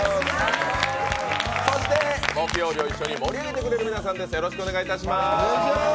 そして木曜日を一緒に盛り上げてくれる皆さんです。